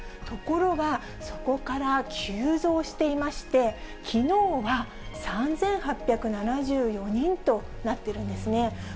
ところが、そこから急増していまして、きのうは３８７４人となっているんですね。